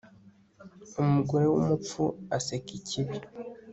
umugore w'umupfu aseka ikibi